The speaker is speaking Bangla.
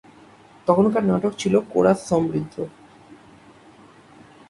তখনকার নাটক ছিল কোরাস সমৃদ্ধ।